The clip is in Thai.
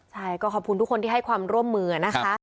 ใช่ก็ขอบคุณทุกคนที่ให้ความร่วมมือนะคะ